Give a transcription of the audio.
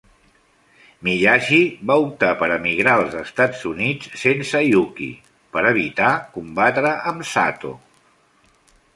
Miyagi va optar per emigrar als Estats Units sense Yuki, per evitar combatre amb Sato.